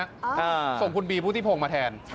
อ้าวส่งคุณบีผู้ติภงมาแทน